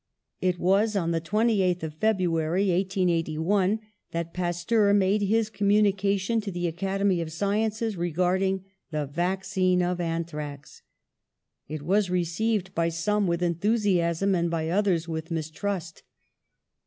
It was on the 28th of February, 1881, that Pasteur made his communication to the Acad emy of Sciences regarding the vaccine of an thrax. It was received by some with enthusi asm, and by others with mistrust.